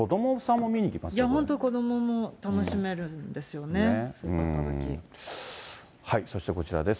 いや本当、子どもも楽しめるそしてこちらです。